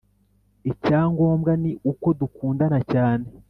icyangombwa ni uko dukundana cyane